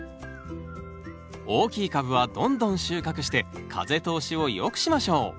大きい株はどんどん収穫して風通しを良くしましょう。